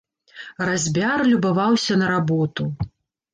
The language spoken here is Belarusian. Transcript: Разьбяр любаваўся на работу.